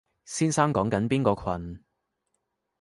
先生講緊邊個群？